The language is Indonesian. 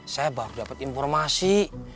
saya baru dapet informasi